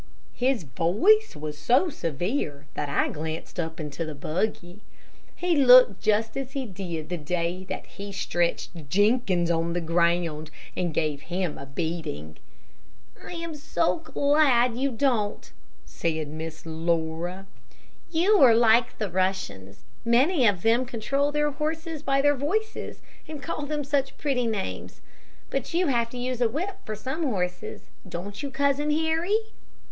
His voice was so severe that I glanced up into the buggy. He looked just as he did the day that he stretched Jenkins on the ground, and gave him a beating. "I am so glad you don't," said Miss Laura. "You are like the Russians. Many of them control their horses by their voices, and call them such pretty names. But you have to use a whip for some horses, don't you, Cousin Harry?"